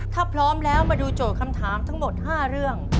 ถ้าพร้อมแล้วมาดูโจทย์คำถามทั้งหมด๕เรื่อง